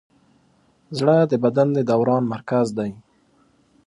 زړه د بدن د دوران مرکز دی.